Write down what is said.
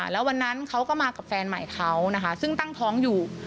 แล้ววันนั้นเขาก็มากับแฟนใหม่เขานะคะซึ่งตั้งท้องอยู่